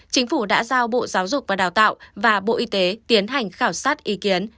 chính phủ đã giao bộ giáo dục và đào tạo và bộ y tế tiến hành khảo sát ý kiến